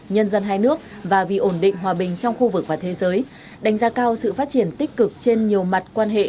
nhân dân hai nước và vì ổn định hòa bình trong khu vực và thế giới đánh giá cao sự phát triển tích cực trên nhiều mặt quan hệ